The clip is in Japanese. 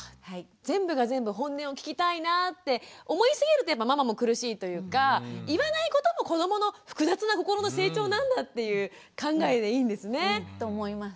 全部が全部ホンネを聞きたいなって思いすぎるとママも苦しいというか言わないことも子どもの複雑な心の成長なんだっていう考えでいいんですね。と思います。